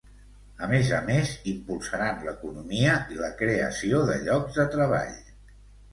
A més a més, impulsaran l'economia i la creació de llocs de treball.